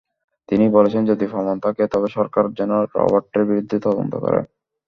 তিনি বলেছেন, যদি প্রমাণ থাকে তবে সরকার যেন রবার্টের বিরুদ্ধে তদন্ত করে।